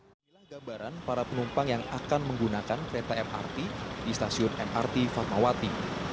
inilah gambaran para penumpang yang akan menggunakan kereta mrt di stasiun mrt fatmawati